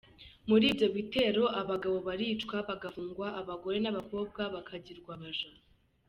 muri ibyo bitero abagabo baricwa bagafungwa, abagore n’ abakobwa bakagirwa abaja.